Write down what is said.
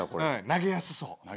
投げやすそう。